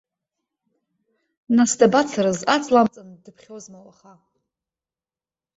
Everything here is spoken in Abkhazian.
Нас дабацарыз, аҵла амҵан дыԥхьозма уаха?